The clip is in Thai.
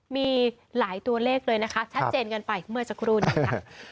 มีหลายตัวเลขเลยนะคะชัดเจนกันไปเมื่อสักครู่นี้ค่ะ